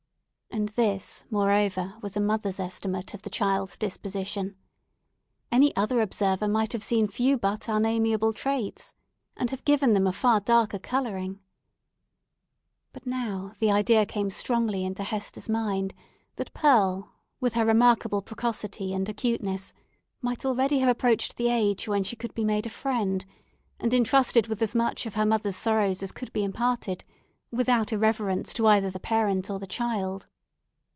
And this, moreover, was a mother's estimate of the child's disposition. Any other observer might have seen few but unamiable traits, and have given them a far darker colouring. But now the idea came strongly into Hester's mind, that Pearl, with her remarkable precocity and acuteness, might already have approached the age when she could have been made a friend, and intrusted with as much of her mother's sorrows as could be imparted, without irreverence either to the parent or the child.